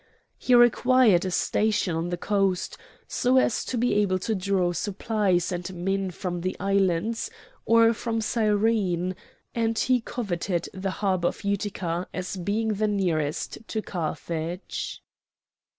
He required a station on the coast, so as to be able to draw supplies and men from the islands or from Cyrene, and he coveted the harbour of Utica as being the nearest to Carthage.